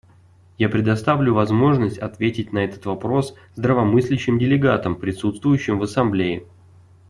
Я предоставлю возможность ответить на этот вопрос здравомыслящим делегатам, присутствующим в Ассамблее.